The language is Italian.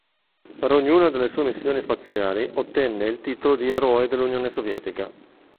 Per ognuna delle sue missioni spaziali ottenne il titolo di Eroe dell'Unione Sovietica.